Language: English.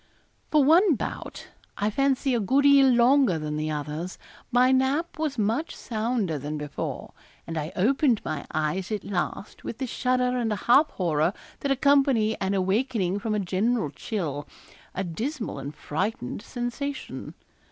For one bout I fancy a good deal longer than the others my nap was much sounder than before, and I opened my eyes at last with the shudder and half horror that accompany an awakening from a general chill a dismal and frightened sensation.